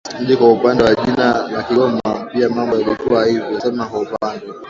Mji Kwa upande wa jina la Kigoma pia mambo yalikuwa hivyo sema kwa upande